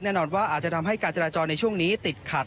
แน่นอนว่าอาจจะทำให้การจราจรในช่วงนี้ติดขัด